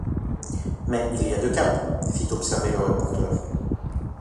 Mais il y a deux caps, fit observer le reporter